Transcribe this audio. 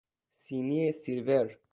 سینی سیلور